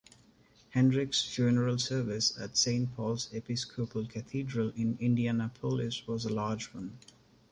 Hendricks's funeral service at Saint Paul's Episcopal Cathedral in Indianapolis was a large one.